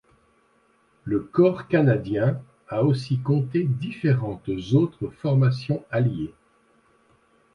Le Corps canadien a aussi compté différentes autres formations alliées.